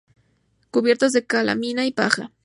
Cubiertas de calamina y paja.